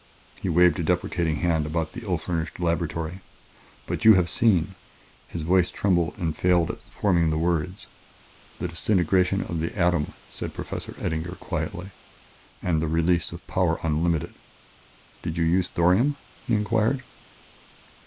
He waved a deprecating hand about the ill furnished laboratory. "But you have seen " His voice trembled and failed at the forming of the words. " The disintegration of the atom," said Professor Eddinger quietly, "and the release of power unlimited. Did you use thorium?" he inquired.